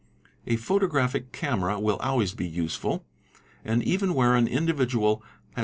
A photographic camera will always be — useful. And even where an' individual has.